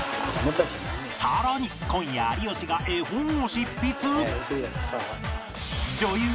さらに今夜有吉が絵本を執筆！